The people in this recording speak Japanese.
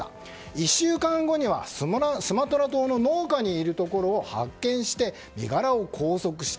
１週間後にはスマトラ島の農家にいるところを発見して身柄を拘束した。